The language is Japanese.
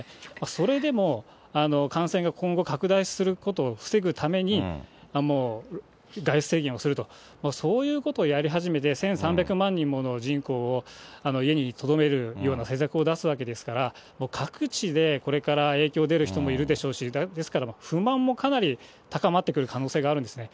それでも、感染が今後拡大することを防ぐために、もう外出制限をすると、そういうことをやり始めて、１３００万人もの人口を家にとどめるような政策を出すわけですから、各地でこれから影響出る人もいるでしょうし、ですから不満もかなり高まってくる可能性があるんですね。